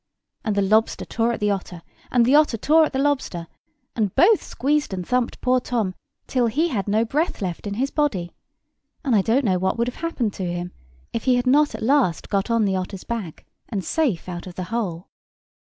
And the lobster tore at the otter, and the otter tore at the lobster, and both squeezed and thumped poor Tom till he had no breath left in his body; and I don't know what would have happened to him if he had not at last got on the otter's back, and safe out of the hole.